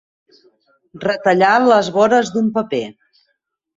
Retallar les vores d'un paper.